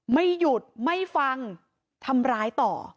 ไม่หยุดไม่ฟังทำร้ายต่อ